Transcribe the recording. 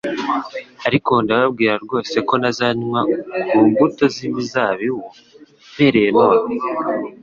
Ariko ndababwira rwose ko ntazanywa ku mbuto z'imizabibu, mpereye none,